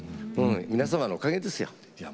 皆様のおかげですよ。